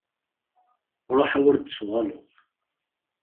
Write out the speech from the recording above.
Ruḥ, a wer d-tuɣaleḍ!